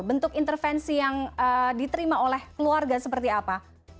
bentuk intervensi yang diterima oleh keluarga seperti apa